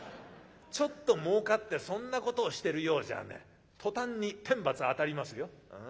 ちょっともうかってそんなことをしてるようじゃね途端に天罰当たりますよ。